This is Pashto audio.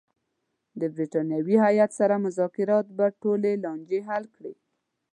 د برټانوي هیات سره مذاکرات به ټولې لانجې حل کړي.